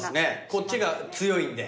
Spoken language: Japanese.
こっちが強いんで。